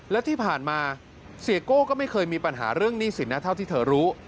และที่ผ่านมาเสียโก้ก็ไม่เคยมีปัญหาเรื่องหนี้สินนะเท่าที่เธอรู้